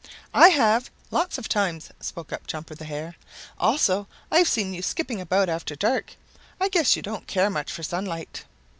"I have, lots of times," spoke up Jumper the Hare. "Also I've seen you skipping about after dark. I guess you don't care much for sunlight."